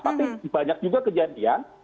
tapi banyak juga kejadian